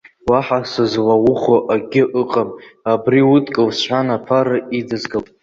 Уаҳа сызлаухәо акгьы ыҟам, абри удкыл сҳәан, аԥара идызгалт.